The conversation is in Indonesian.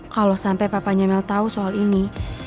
kalau sampai papanya mel tau soal ini